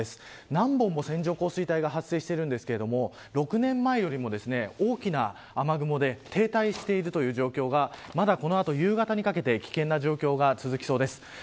何本も線状降水帯が発生しているんですが６年前よりも大きな雨雲で停滞しているという状況がまだこの後、夕方にかけて危険な状況が続きそうです。